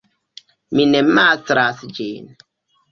Mi ne mastras ĝin.